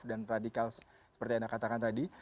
dan radikal seperti anda katakan tadi